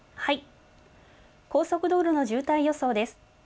高速道路の渋滞予想です。